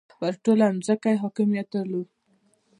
پر ټوله ځمکه یې حاکمیت درلود.